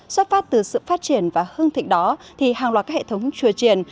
xuất phát từ sự phát triển và hương thịnh đó thì hàng loạt các hệ thống chùa triển